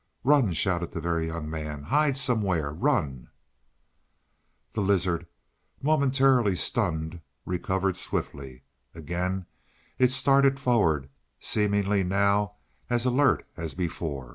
"Run!" shouted the Very Young Man. "Hide somewhere! Run!" The lizard, momentarily stunned, recovered swiftly. Again it started forward, seemingly now as alert as before.